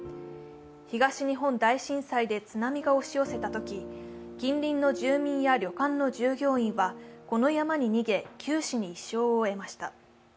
東日本大震災で津波が押し寄せたとき、近隣の住民や旅館の従業員はこの山に逃げ九死に一生を得ました。